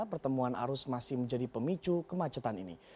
pertemuan arus masih menjadi pemicu kemacetan ini